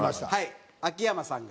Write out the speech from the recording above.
秋山さんが。